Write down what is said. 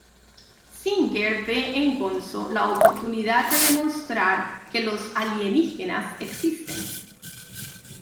Singer ve en Gonzo la oportunidad de demostrar que los alienígenas existen.